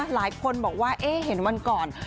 หลายคนบอกว่าเห็นวันก่อน